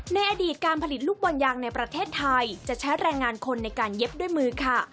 ในอดีตการผลิตลูกบอลยางในประเทศไทยจะใช้แรงงานคนในการเย็บด้วยมือค่ะ